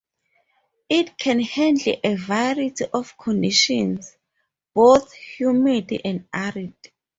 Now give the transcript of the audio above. It can handle a variety of conditions, both humid and arid.